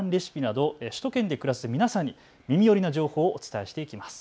レシピなど首都圏で暮らす皆さんに耳寄りな情報をお伝えしていきます。